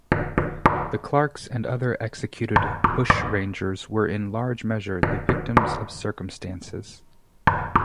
The Clarkes and other executed bushrangers were in large measure the victims of circumstances.